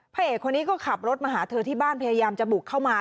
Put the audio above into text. เอกคนนี้ก็ขับรถมาหาเธอที่บ้านพยายามจะบุกเข้ามา